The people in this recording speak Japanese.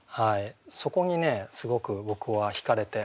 そこにねすごく僕はひかれて。